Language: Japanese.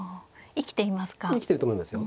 生きていますか。